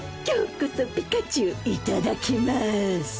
今日こそピカチュウいただきます。